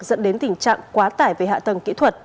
dẫn đến tình trạng quá tải về hạ tầng kỹ thuật